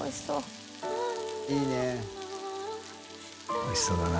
おいしそうだな。